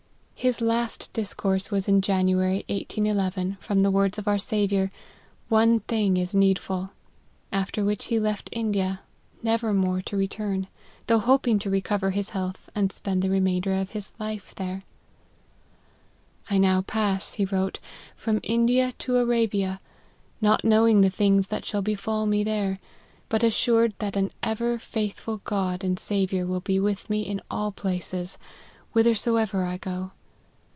His last discourse was in January 1811, from the words of our Saviour, " One thing is needful;" after which he left India, never more to return, though hoping to recover his health and spend the remainder of his life there. " I now pass," he wrote, " from India to Ar$ bia, not knowing the things that shall befall me there, but assured that an ever faithful God and Sa viour will be with me in all places, whithersoever I go.